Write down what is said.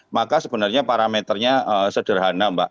maka sebenarnya parameternya sederhana mbak